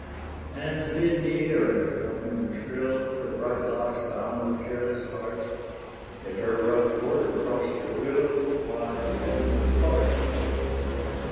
And bid Neaera come and trill, Her bright locks bound with careless art: If her rough porter cross your will, Why then depart.